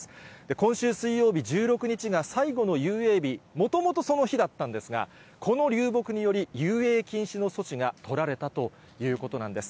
今週水曜日１６日が最後の遊泳日、もともとその日だったんですが、この流木により、遊泳禁止の措置が取られたということなんです。